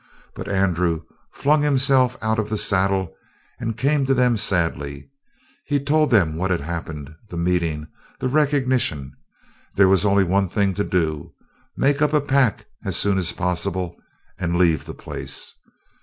But Andrew flung himself out of the saddle and came to them sadly. He told them what had happened, the meeting, the recognition. There was only one thing to do make up the pack as soon as possible and leave the place.